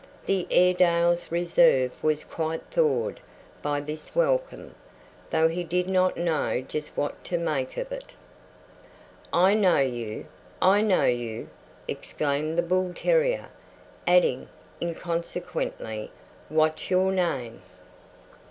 The Airedale's reserve was quite thawed by this welcome, though he did not know just what to make of it. "I know you! I know you!" exclaimed the bull terrier, adding inconsequently, "What's your name?"